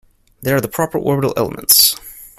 These are the proper orbital elements.